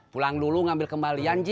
pulang dulu ngambil kembalian ji